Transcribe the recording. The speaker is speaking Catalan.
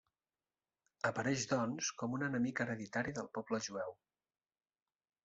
Apareix doncs com un enemic hereditari del poble jueu.